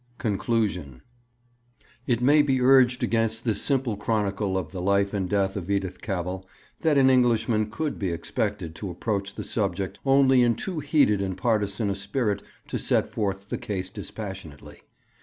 XV CONCLUSION It may be urged against this simple chronicle of the life and death of Edith Cavell that an Englishman could be expected to approach the subject only in too heated and partisan a spirit to set forth the case dispassionately.